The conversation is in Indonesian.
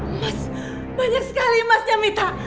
emas banyak sekali emasnya mita